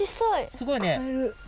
すごいね。